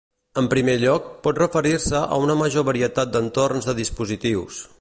En primer lloc, pot referir-se a una major varietat d'entorns de dispositius.